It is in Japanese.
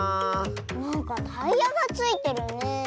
なんかタイヤがついてるねえ。